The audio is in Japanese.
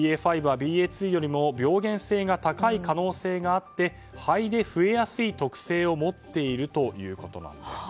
ＢＡ．５はＢＡ．２よりも病原性が高い可能性があって肺で増えやすい特性を持っているということなんです。